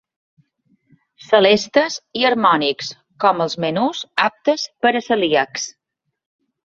Celestes i harmònics com els menús aptes per a celíacs.